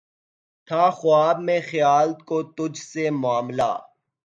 تھا خواب میں خیال کو تجھ سے معاملہ